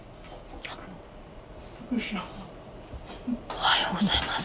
おはようございます。